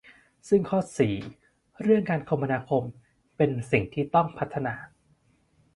ซึ่งข้อ สี่ เรื่องการคมนาคมนี้เป็นสิ่งที่ต้องพัฒนา